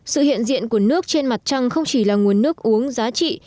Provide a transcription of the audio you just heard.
sự hiện diện của nước trên mặt trăng không chỉ là nguồn nước uống giá trị